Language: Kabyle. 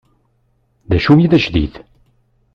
D acu i d ajdid?